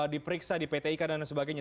diperiksa dipetikan dan sebagainya